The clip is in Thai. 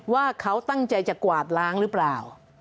ว่าเขาตั้งใจจะกวาดล้างหรือเปล่า